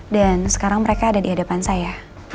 dan sekarang mereka ada di hadapan saya